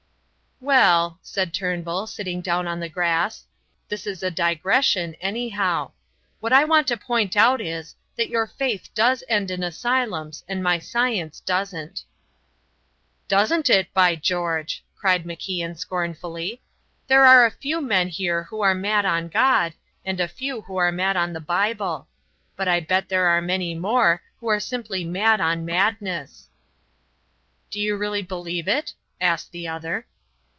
"Well," said Turnbull, sitting down on the grass, "this is a digression, anyhow. What I want to point out is, that your faith does end in asylums and my science doesn't." "Doesn't it, by George!" cried MacIan, scornfully. "There are a few men here who are mad on God and a few who are mad on the Bible. But I bet there are many more who are simply mad on madness." "Do you really believe it?" asked the other.